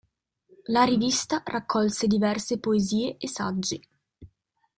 La rivista raccolse diverse poesie e saggi.